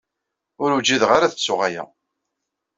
Ur wjideɣ ara ad ttuɣ aya.